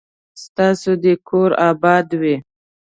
ستاسو دي کور اباد وي